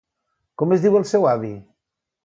Com es diu el seu avi?